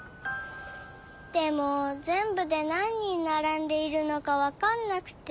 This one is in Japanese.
でもぜんぶでなん人ならんでいるのかわかんなくて。